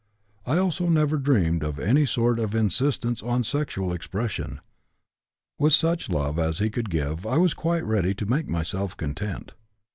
I also never dreamed of any sort of insistence on sexual expression. With such love as he could give I was quite ready to make myself content.